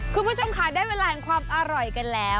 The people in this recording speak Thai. คุณผู้ชมค่ะได้เวลาของความอร่อยกันแล้ว